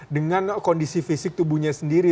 dengan kondisi fisik tubuhnya sendiri